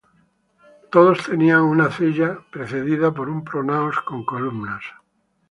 Todos tenían una cella precedida por un pronaos con columnas.